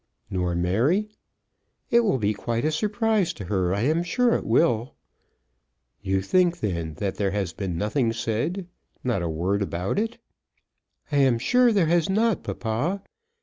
"Nor Mary?" "It will be quite a surprise to her. I am sure it will." "You think, then, that there has been nothing said, not a word about it?" "I am sure there has not, papa.